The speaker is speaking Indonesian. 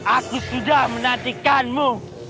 aku sudah menantikanmu